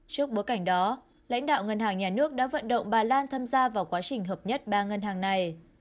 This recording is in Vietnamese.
trước bối cảnh đó lãnh đạo ngân hàng nhà nước đã vận động bà lan tham gia vào quá trình hợp nhất ba ngân hàng này